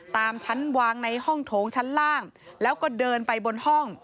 ตามชั้นวางในห้องโถงชั้นล่างแล้วก็เดินไปบนห้อง